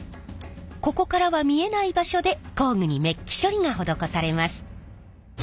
ここからは見えない場所で工具にめっき処理が施されます。